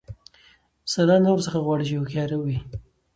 سلا نه ورڅخه غواړي چي هوښیار وي